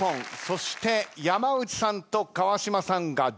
そして山内さんと川島さんが１０本。